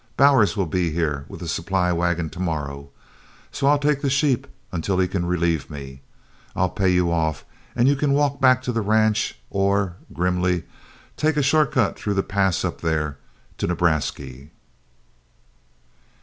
Bowers will be here with the supply wagon to morrow, so I'll take the sheep until he can relieve me. I'll pay you off and you can walk back to the ranch or," grimly, "take a short cut through the Pass up there to 'Nebrasky.'"